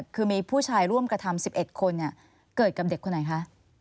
คือมีผู้ชายร่วมกระทำ๑๑คนเกิดกับเด็กคนไหนคะ